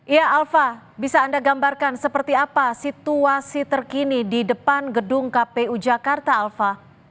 ya alfa bisa anda gambarkan seperti apa situasi terkini di depan gedung kpu jakarta alfa